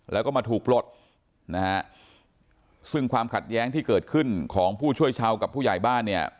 แล้วก็มาถูกปลดนะฮะซึ่งความขัดแย้งที่เกิดขึ้นของผู้ช่วยชาวกับผู้ใหญ่บ้านเนี่ย